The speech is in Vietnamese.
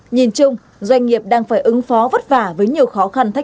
nhìn chung doanh nghiệp đang phải ứng phó vất vả